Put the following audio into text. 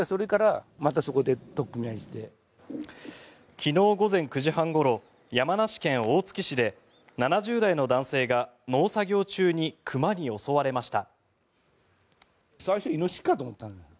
昨日午前９時半ごろ山梨県大月市で７０代の男性が農作業中に熊に襲われました。